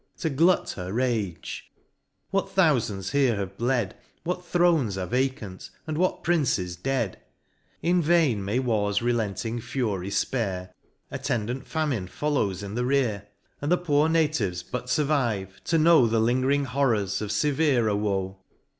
To glut her rage, what thoufands there have bled, What thrones are vacant, and what princes dead I In MOUNT PLEASANT. 17 In vain may War's relenting fury fpare, Attendant Famine follows in the rear, And the poor natives but furvive to know The lingering horrors of feverer woe.